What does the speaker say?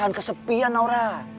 jadi pas river